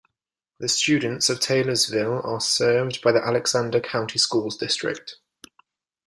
The students of Taylorsville are served by the Alexander County Schools district.